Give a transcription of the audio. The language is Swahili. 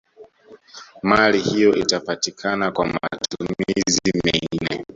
Mali hiyo itapatikana kwa matumizi mengine